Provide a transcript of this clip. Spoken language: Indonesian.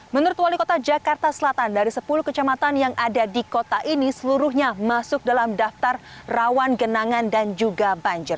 menurut wali kota jakarta selatan dari sepuluh kecamatan yang ada di kota ini seluruhnya masuk dalam daftar rawan genangan dan juga banjir